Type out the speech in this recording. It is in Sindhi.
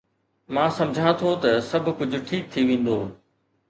مان سمجهان ٿو ته سڀ ڪجهه ٺيڪ ٿي ويندو